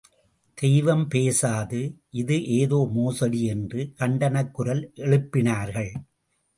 தெய்வம் பேசாது இது ஏதோ மோசடி என்று கண்டனக்குரல் எழுப்பினார்கள்.